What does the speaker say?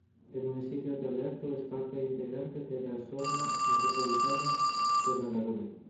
El municipio de Lerdo es parte integrante de la Zona metropolitana de La Laguna.